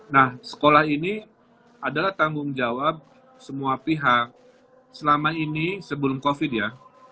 nah sekolah ini adalah tanggung jawab semua pihak selama ini sebelum covid ya